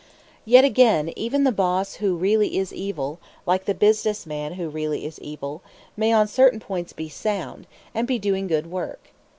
Yet again even the boss who really is evil, like the business man who really is evil, may on certain points be sound, and be doing good work.